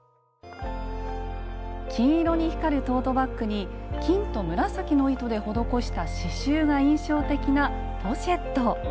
金色に光るトートバッグに金と紫の糸で施した刺しゅうが印象的なポシェット。